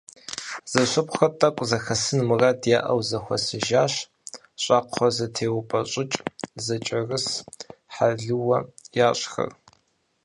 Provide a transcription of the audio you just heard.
Зэшыпхъухэр, тӏэкӏу зэхэсын мурадыр яӏэу зэхуэсыжащ. Щӏакхъуэзэтеупӏэщӏыкӏ, зэкӏэрыс, хьэлыуэ ящӏхэр.